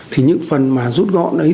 thì những phần mà rút gọn ấy